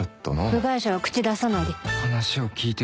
「部外者は口出さないで」